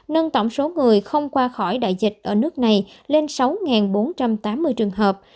nâng tổng số người không qua khỏi đại dịch ở nước này lên sáu bốn trăm tám mươi trường hợp